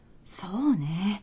そうね。